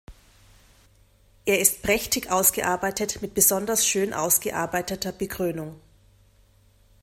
Er ist prächtig ausgearbeitet mit besonders schön ausgearbeiteter Bekrönung.